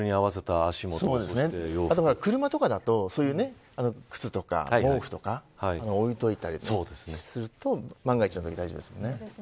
あと車だったら靴とか毛布とか置いておいたりすると万が一のとき、大丈夫ですよね。